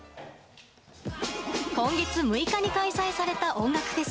今月６日に開催された音楽フェス。